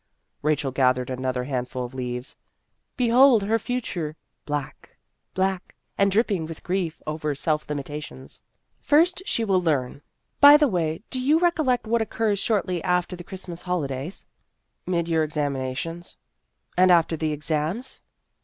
Rachel gathered another handful of leaves. "Behold her future black black and dripping with grief over self limitations. First she will learn By the way, do you recollect what occurs shortly after the Christmas holi days?" A Superior Young Woman 189 " Mid year examinations." " And after the exams.